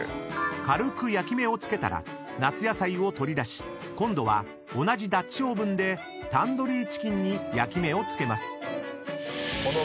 ［軽く焼き目を付けたら夏野菜を取り出し今度は同じダッチオーブンでタンドリーチキンに焼き目を付けます］